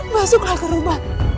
masuklah ke rumah